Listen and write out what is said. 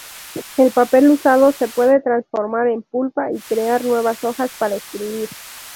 El papel usado se puede transformar en pulpa y crear nuevas hojas para escribir.